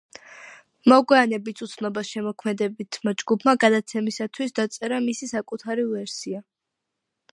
მოგვიანებით უცნობმა შემოქმედებითმა ჯგუფმა გადაცემისათვის დაწერა მისი საკუთარი ვერსია.